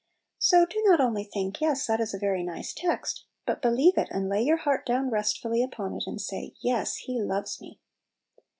So, do not only think, "Yes, that is a very nice text"; but believe it, and lay your heart down restfully upon it; and say, "Yes, He loves me!"